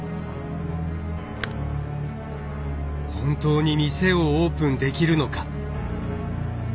本当に店をオープンできるのか。